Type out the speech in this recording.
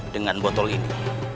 dengan botol ini